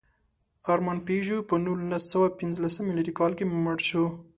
ارمان پيژو په نولسسوهپینځلسم مېلادي کال کې مړ شو.